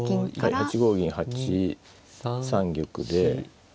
８五銀８三玉で。